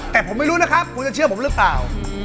แต่ผมไม่รู้นะครับคุณจะเชื่อผมหรือเปล่า